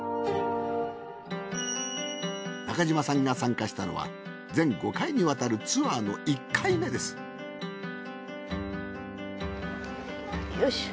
中島さんが参加したのは全５回にわたるツアーの１回目ですよいしょ。